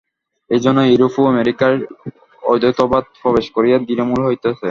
এইজন্যই ইউরোপ ও আমেরিকায় অদ্বৈতবাদ প্রবেশ করিয়া দৃঢ়মূল হইতেছে।